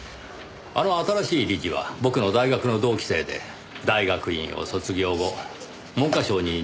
あの新しい理事は僕の大学の同期生で大学院を卒業後文科省に入省した男でした。